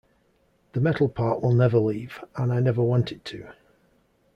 The metal part will never leave, and I never want it to.